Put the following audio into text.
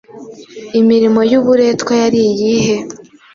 Imirimo y'uburetwa yari iyihe?